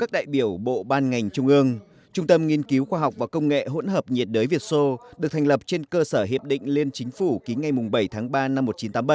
được thành lập trên cơ sở hiệp định liên chính phủ ký ngay bảy tháng ba năm một nghìn chín trăm tám mươi bảy